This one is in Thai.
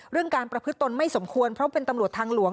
การประพฤติตนไม่สมควรเพราะเป็นตำรวจทางหลวง